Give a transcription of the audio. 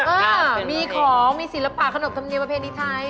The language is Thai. อ้าวมีของมีศิลปะขนบ์ทำเงียบเพลงที่ไทย